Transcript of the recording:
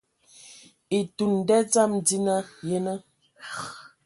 Etun nda dzam dzina, yenə.